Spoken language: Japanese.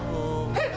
えっ！